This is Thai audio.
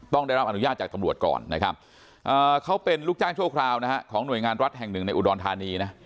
ต้องได้รับอนุญาตจากตำรวจก่อนนะครับเขาเป็นลูกจ้างชั่วคราวนะฮะของหน่วยงานรัฐแห่งหนึ่งในอุดรธานีนะ